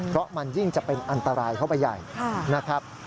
เพราะมันยิ่งจะเป็นอันตรายเข้าไปใหญ่นะครับ